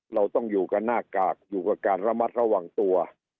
เราต้องอยู่กับหน้ากากอยู่กับการระมัดระวังตัว